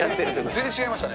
全然違いましたね。